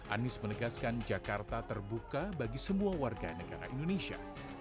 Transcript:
anies menegaskan jakarta terbuka bagi semua warga negara indonesia